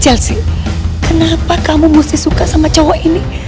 chelsea kenapa kamu mesti suka sama cowok ini